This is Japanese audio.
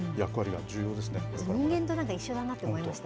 人間と一緒だなと思いました。